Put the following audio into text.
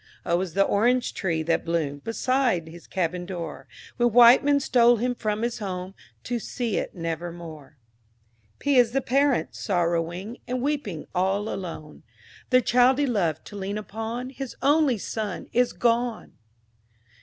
O is the Orange tree, that bloomed Beside his cabin door, When white men stole him from his home To see it never more. P is the Parent, sorrowing, And weeping all alone— The child he loved to lean upon, His only son, is gone!